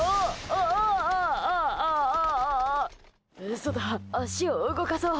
そうだ、足を動かそう。